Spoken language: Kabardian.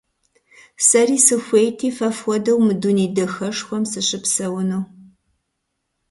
Сэри сыхуейти фэ фхуэдэу мы дуней дахэшхуэм сыщыпсэуну.